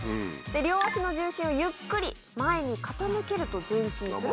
両足の重心をゆっくり前に傾けると前進するという。